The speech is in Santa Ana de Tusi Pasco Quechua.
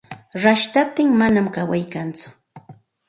Rashtaptin manam kaway kantsu.